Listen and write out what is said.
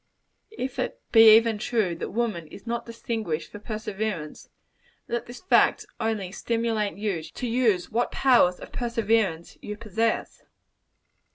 If it be even true, that woman is not distinguished for perseverance, let this fact only stimulate you to use what powers of perseverance you possess.